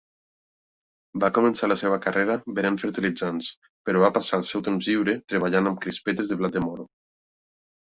Va començar la seva carrera venent fertilitzants, però va passar el seu temps lliure treballant amb crispetes de blat de moro.